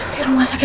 di rumah sakit